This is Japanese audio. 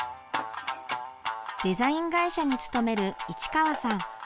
デザイン会社に勤める市川さん。